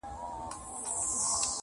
لکه سرو معلومداره په چمن کي،